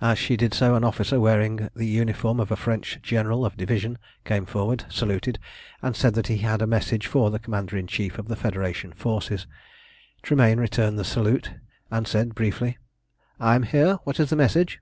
As she did so an officer wearing the uniform of a French General of Division came forward, saluted, and said that he had a message for the Commander in Chief of the Federation forces. Tremayne returned the salute, and said briefly "I am here. What is the message?"